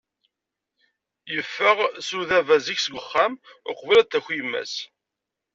Teffeɣ Sudaba zik seg uxxam, uqbel ad d-taki yemma-s.